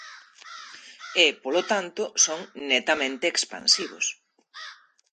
E, polo tanto, son netamente expansivos.